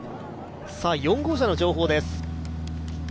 ４号車の情報です。